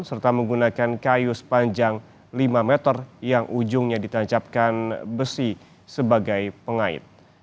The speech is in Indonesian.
serta menggunakan kayu sepanjang lima meter yang ujungnya ditancapkan besi sebagai pengait